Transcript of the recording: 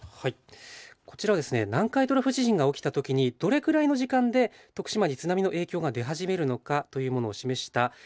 こちらは南海トラフ地震が起きた時にどれくらいの時間で徳島に津波の影響が出始めるのかというものを示した図になります。